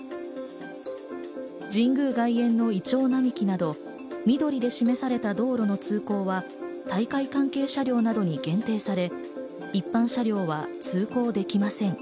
神宮外苑のいちょう並木など、緑で示された道路の通行は、大会関係車両などに限定され、一般車両は通行できません。